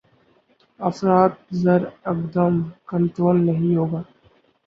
افراط زر ایکدم کنٹرول نہیں ہوگا۔